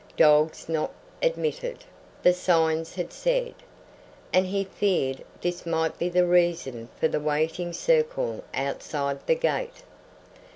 "Dogs not admitted," the signs had said, and he feared this might be the reason for the waiting circle outside the gate.